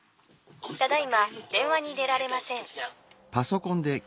「ただいまでんわに出られません」。